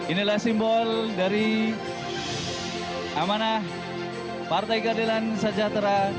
inilah simbol dari amanah partai keadilan sejahtera